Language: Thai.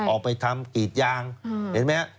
ออกไปทำกรีดยางเห็นไหมครับ